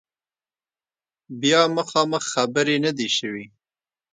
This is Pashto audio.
بیا مخامخ خبرې نه دي شوي